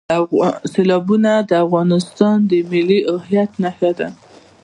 سیلابونه د افغانستان د ملي هویت نښه ده.